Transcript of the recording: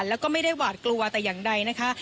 แล้วก็ไม่ได้หวาดกลัวแต่อย่างใดนะคะ